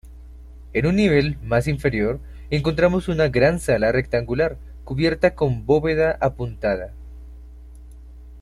En un nivel más inferior, encontramos una gran sala rectangular cubierta con bóveda apuntada.